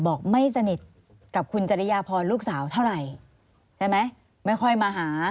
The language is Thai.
บอกไม่สนิทกับคุณจริยาพรลูกสาวเท่าไหร่ใช่ไหมไม่ค่อยมาหา